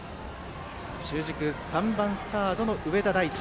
中軸、３番サードの上田大地。